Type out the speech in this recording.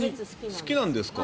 好きなんですか？